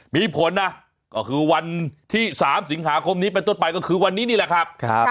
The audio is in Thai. มีผลนะก็คือวันที่๓สิงหาคมนี้เป็นต้นไปก็คือวันนี้นี่แหละครับ